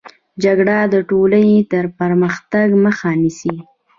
جګړه د ټولني د پرمختګ مخه نيسي.